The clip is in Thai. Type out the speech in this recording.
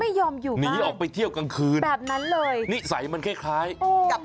ไม่ยอมอยู่บ้างแบบนั้นเลยนี่ใสมันคล้ายกับหุ่น